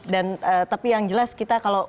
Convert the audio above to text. dan tapi yang jelas kita kalau